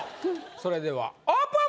それではオープン！